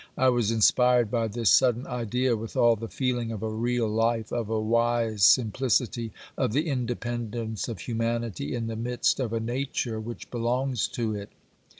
I was inspired by this sudden idea with all the feeling of a real life, of a wise simplicity, of the independence of humanity in the midst of a nature which belongs to it.